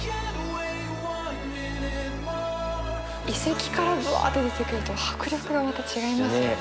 遺跡からブワッて出てくると迫力がまた違いますよね。